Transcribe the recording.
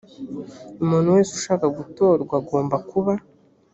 umuntu wese ushaka gutorwa agomba kuba